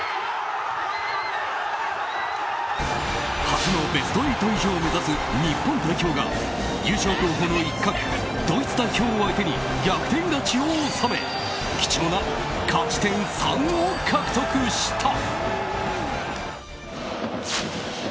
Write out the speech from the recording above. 初のベスト８以上を目指す日本代表が優勝候補の一角ドイツ代表を相手に逆転勝ちを収め貴重な勝ち点３を獲得した。